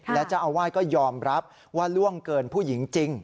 และเจ้าอาวาสก็ยอมรับว่าล่วงเกินผู้หญิงจริง